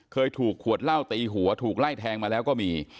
เคยถูกขวดเหล้าตีหัวถูกไล่แทงมาแล้วก็มี